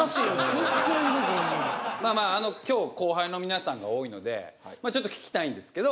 まあまあ今日後輩の皆さんが多いのでちょっと聞きたいんですけど。